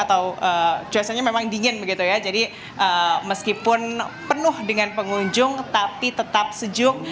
atau cuacanya memang dingin begitu ya jadi meskipun penuh dengan pengunjung tapi tetap sejuk